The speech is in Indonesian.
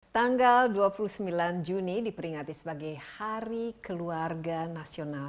tanggal dua puluh sembilan juni diperingati sebagai hari keluarga nasional